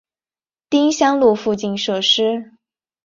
丁香路附近设施